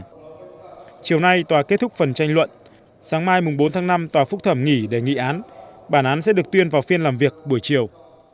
chiều nay tòa kết thúc phần tranh luận sáng mai bốn tháng năm tòa phúc thẩm nghỉ để nghị án bản án sẽ được tuyên vào phiên làm việc buổi chiều